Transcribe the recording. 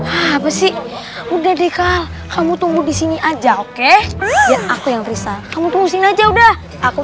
apa sih udah deh kamu tunggu di sini aja oke aku yang bisa kamu tunggu sini aja udah aku